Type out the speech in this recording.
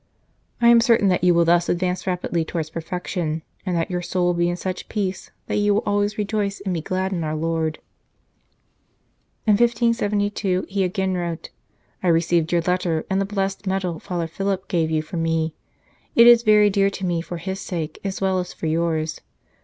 I am certain that you will thus advance rapidly towards perfec tion, and that your soul will be in such peace that you will always rejoice and be glad in our Lord." In 1572 he again wrote :" I received your letter and the blessed medal Father Philip gave 38 The Church of Peace you for me. It is very dear to me for his sake as well as for yours.